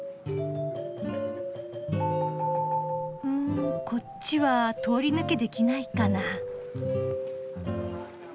うんこっちは通り抜けできないかな。